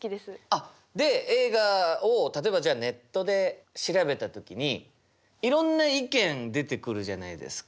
あっで映画を例えばじゃあネットで調べた時にいろんな意見出てくるじゃないですか。